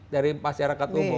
dari masyarakat umum